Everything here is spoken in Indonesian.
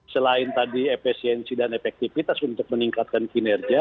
selain tadi efisiensi dan efektivitas untuk meningkatkan kinerja